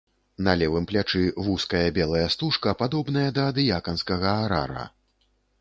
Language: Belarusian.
На левым плячы вузкая белая стужка, падобная да дыяканскага арара.